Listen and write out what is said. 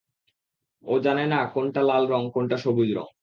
ও জানে না কোনটা লাল রং, কোনটা সবুজ রং।